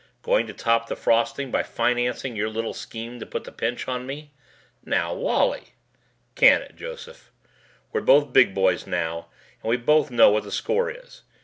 Going to top the frosting by financing your little scheme to put the pinch on me?" "Now, Wally " "Can it, Joseph. We're both big boys now and we both know what the score is.